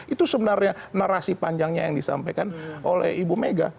itu sebenarnya narasi panjangnya yang disampaikan oleh ibu mega